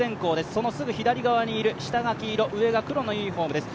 そのすぐ左側にいる、下が黄色、上が黒のユニフォームです。